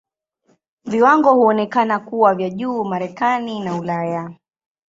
Viwango huonekana kuwa vya juu Marekani na Ulaya.